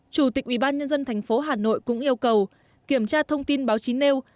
chủ tịch ủy ban nhân dân thành phố hà nội cũng yêu cầu kiểm tra thông tin báo chí nêu